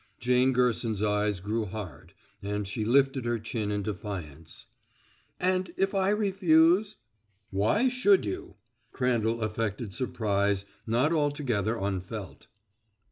Jane Gerson's eyes grew hard, and she lifted her chin in defiance. "And if I refuse " "Why should you?" Crandall affected surprise not altogether unfelt.